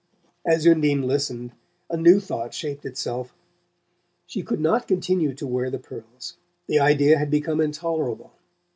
As Undine listened, a new thought shaped itself. She could not continue to wear the pearls: the idea had become intolerable.